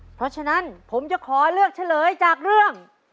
เพราะฉะนั้นผมจะขอเลือกเฉลยจากเรื่อง